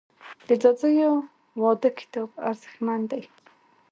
د ځاځیو واده کتاب ارزښتمن دی.